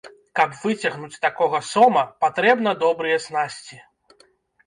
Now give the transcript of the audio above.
Каб выцягнуць такога сома, патрэбна добрыя снасці.